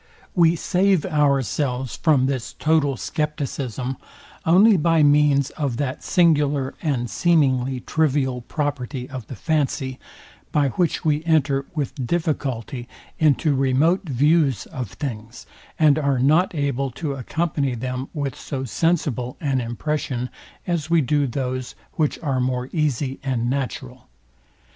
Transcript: We save ourselves from this total scepticism only by means of that singular and seemingly trivial property of the fancy, by which we enter with difficulty into remote views of things, and are not able to accompany them with so sensible an impression, as we do those, which are more easy and natural.